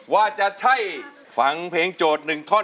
มันจะใช่ฝังเพลงโจทย์๑ทอน